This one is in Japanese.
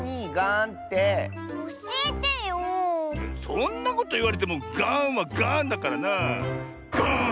そんなこといわれてもガーンはガーンだからなあ。ガーン！